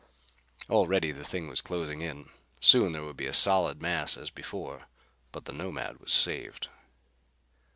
Already, the thing was closing in. Soon there would be a solid mass as before. But the Nomad was saved.